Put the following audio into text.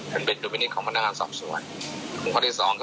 คุณพระอาทิตย์สองตำรวจก็ได้เงิน